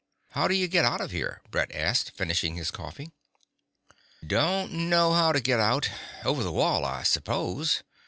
"How do you get out of here?" Brett asked, finishing his coffee. "Don't know how to get out; over the wall, I suppose.